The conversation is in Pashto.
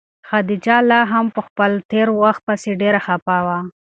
خدیجه لا هم په خپل تېر وخت پسې ډېره خفه وه.